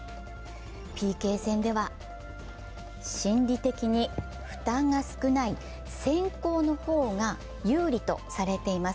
ＰＫ戦では、心理的に負担が少ない先攻の方が有利とされています。